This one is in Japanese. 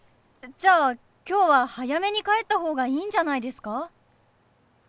じゃあ今日は早めに帰った方がいいんじゃないですか？